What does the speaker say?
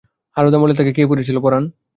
হারুদা মরলে তাকে কে পুড়িয়েছিল পরাণ?